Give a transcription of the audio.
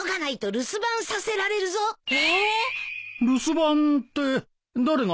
留守番って誰が？